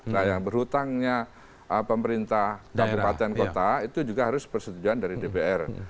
nah yang berhutangnya pemerintah kabupaten kota itu juga harus persetujuan dari dpr